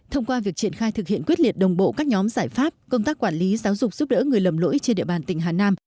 thông qua việc triển khai thực hiện quyết liệt đồng bộ các nhóm giải pháp công tác quản lý giáo dục giúp đỡ người lầm lỗi trên địa bàn tỉnh hà nam